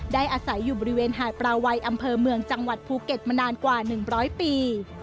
อาศัยอยู่บริเวณหาดปลาวัยอำเภอเมืองจังหวัดภูเก็ตมานานกว่า๑๐๐ปี